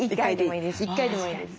１回でもいいです